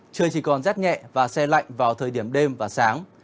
trời chỉ còn rét nhẹ và xe lạnh vào thời điểm đêm và sáng